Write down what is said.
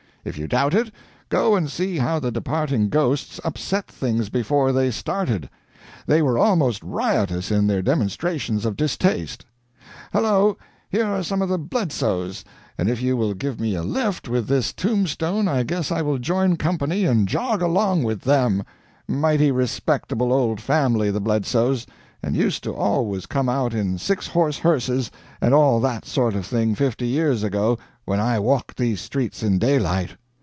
If you doubt it, go and see how the departing ghosts upset things before they started. They were almost riotous in their demonstrations of distaste. Hello, here are some of the Bledsoes, and if you will give me a lift with this tombstone I guess I will join company and jog along with them mighty respectable old family, the Bledsoes, and used to always come out in six horse hearses and all that sort of thing fifty years ago when I walked these streets in daylight.